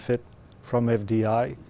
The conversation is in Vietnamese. phát triển bởi